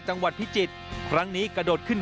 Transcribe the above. จังหวัดพิจิตรครั้งนี้กระโดดขึ้น